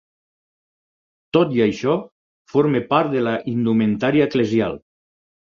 Tot i això, forma part de la indumentària eclesial.